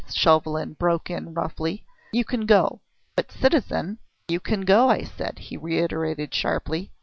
Chauvelin broke in roughly. "You can go!" "But, citizen " "You can go, I said," he reiterated sharply.